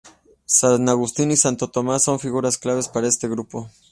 San Agustín y Santo Tomás son figuras claves para este grupo.